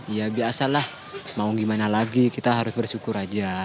ya biasalah mau gimana lagi kita harus bersyukur aja